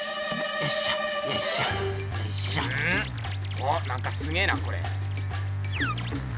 おっなんかすげえなこれ。